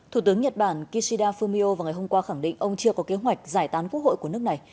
thủ tướng nhật bản kishida fumio vào ngày hôm qua khẳng định ông chưa có kế hoạch giải tán quốc hội của nước này